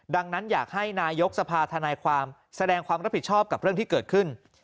ดังนั้นอยากให้นายกสภาธนายความแสดงความรับผิดชอบกับเรื่องที่เกิดขึ้น